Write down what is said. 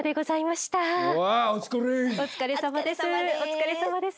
お疲れさまです。